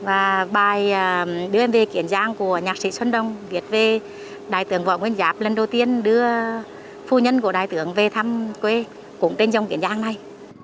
và bài đưa em về kiến giang của nhạc sĩ xuân đông viết về đại tướng võ nguyên giáp lần đầu tiên đưa phu nhân của đại tướng về thăm quê cũng tên dòng kiến giang này